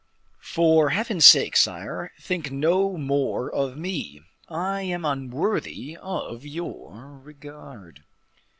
For Heaven's sake, sire, think no more of me; I am unworthy of your regard."